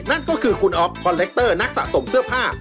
นั่นก็คือคุณอ๊อฟคอนแลคเตอร์นักสะสมเสื้อผ้า